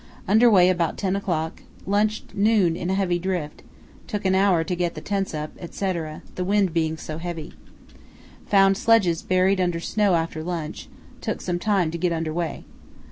Under way about 10 o'clock; lunched noon in a heavy drift; took an hour to get the tents up, etc., the wind being so heavy. Found sledges buried under snow after lunch, took some time to get under way.